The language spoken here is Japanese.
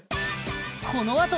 このあと！